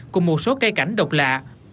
cùng một số cây cảnh độc lạ